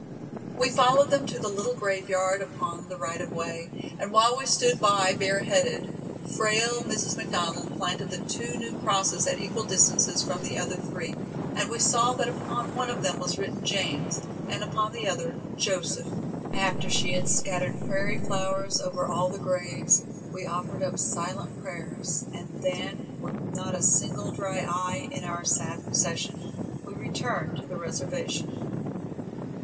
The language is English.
We followed them to the little graveyard upon the right of way, and while we stood by bareheaded, frail Mrs. McDonald planted the two new crosses at equal distances from the other three, and we saw that upon one of them was written "James" and upon the other "Joseph." After she had scattered prairie flowers over all the graves, we offered up silent prayers, and then with not a single dry eye in our sad procession, we returned to the reservation.